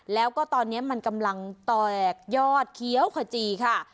แล้วก็ตอนนี้มันกำลังแตกยอดเคี้ยวขจีค่ะ